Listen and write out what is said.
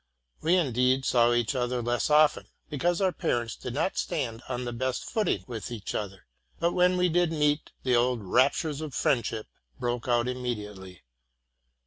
We indeed saw each other less often, because our parents did not stand on the best footing with each other; but, when we did meet, the old raptures of friendship broke out im mediately.